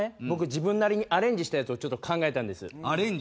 僕自分なりにアレンジしたやつをちょっと考えたんです。